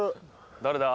誰だ？